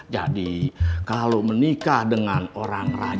jadi kalau menikah dengan orang rajin